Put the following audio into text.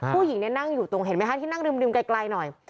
ผู้หญิงนั่งอยู่ตรงที่นั่งริมไกลหน่อย